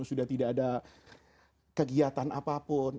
sudah tidak ada kegiatan apapun